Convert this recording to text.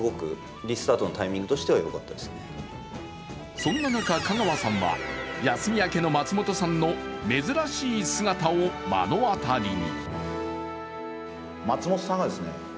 そんな中、香川さんは休み明けの松本さんの珍しい姿を目の当たりに。